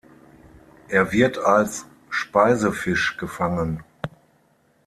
Er wird als Speisefisch gefangen.